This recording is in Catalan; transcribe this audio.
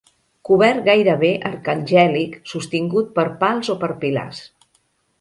Cobert gairebé arcangèlic sostingut per pals o per pilars.